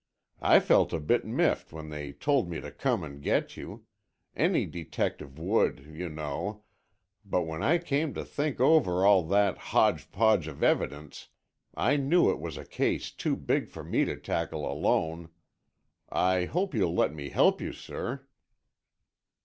"I felt a bit miffed when they told me to come and get you; any detective would, you know, but when I came to think over all that hodge podge of evidence, I knew it was a case too big for me to tackle alone. I hope you'll let me help you, sir."